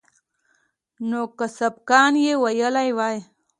نو که سبقان يې ويلي واى.